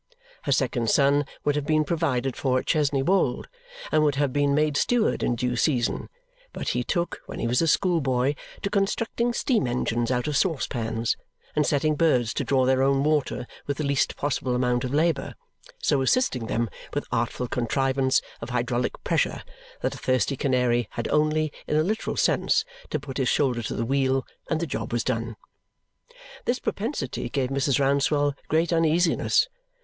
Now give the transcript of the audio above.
Her second son would have been provided for at Chesney Wold and would have been made steward in due season, but he took, when he was a schoolboy, to constructing steam engines out of saucepans and setting birds to draw their own water with the least possible amount of labour, so assisting them with artful contrivance of hydraulic pressure that a thirsty canary had only, in a literal sense, to put his shoulder to the wheel and the job was done. This propensity gave Mrs. Rouncewell great uneasiness.